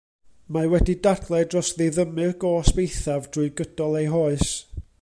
Mae wedi dadlau dros ddiddymu'r gosb eithaf drwy gydol ei hoes.